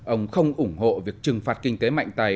ông không ủng hộ việc trừng phạt kinh tế mạnh tài